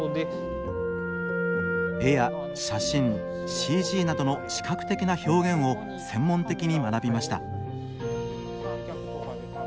絵や写真ＣＧなどの視覚的な表現を専門的に学びました。